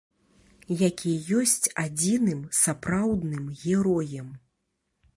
Які ёсць адзіным сапраўдным героем.